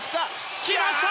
来ました！